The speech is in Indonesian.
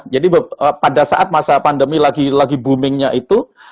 jadi pada saat masa pandemi lagi boomingnya itu